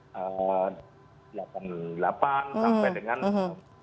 delapan puluh delapan sampai dengan sembilan puluh satu lah